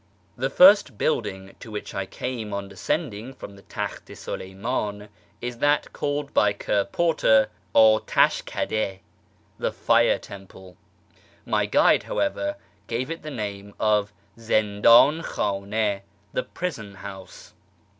The first building to which I came on descendinor from the Takht i Suleymdn is that called by Ker Porter Atash Jcede (" the Fire Temple "). My guide, however, gave it the name of Zinddn khdnS (" the Prison house.")